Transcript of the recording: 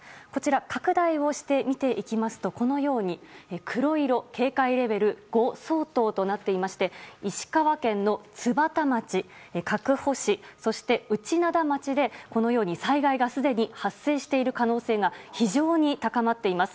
拡大して見ていきますと黒色、警戒レベル５相当となっていまして石川県の津幡町、カクホ市そして内灘町で災害がすでに災害がすでに発生している可能性が非常に高まっています。